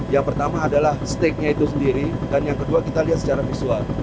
yang pertama adalah steaknya itu sendiri dan yang kedua kita lihat secara visual